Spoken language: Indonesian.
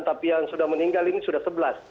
tapi yang sudah meninggal ini sudah sebelas